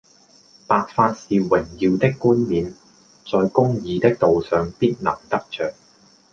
白髮是榮耀的冠冕，在公義的道上必能得著